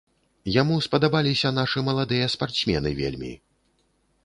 Яму спадабаліся нашы маладыя спартсмены вельмі.